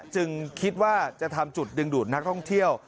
จึงคิดว่าจะทำจุดดึงดูดนักท่องเที่ยว